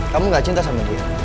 kamu gak cinta sama dia